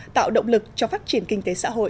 tạo động lực cho phát triển kinh tế xã hội